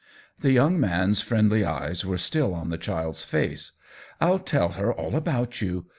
The young man's friendly eyes were still on the child's face. " I'll tell her all about you.